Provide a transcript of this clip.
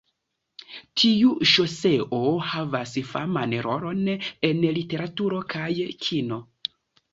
Tiu ŝoseo havas faman rolon en literaturo kaj kino.